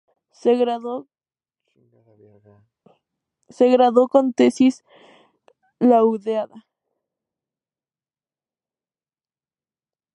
Se graduó con tesis laureada.